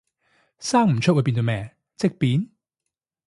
生唔出會變咗咩，積便？